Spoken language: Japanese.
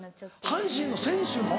阪神の選手の？